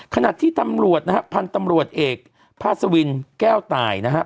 ขณะที่ตำรวจนะฮะพันธุ์ตำรวจเอกพาสวินแก้วตายนะฮะ